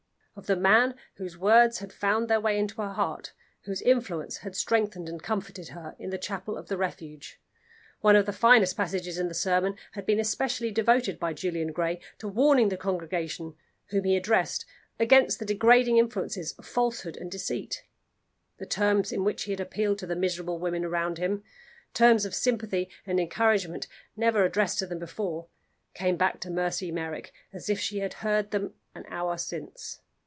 Of the man whose words had found their way to her heart, whose influence had strengthened and comforted her, in the chapel of the Refuge. One of the finest passages in his sermon had been especially devoted by Julian Gray to warning the congregation whom he addressed against the degrading influences of falsehood and deceit. The terms in which he had appealed to the miserable women round him terms of sympathy and encouragement never addressed to them before came back to Mercy Merrick as if she had heard them an hour since.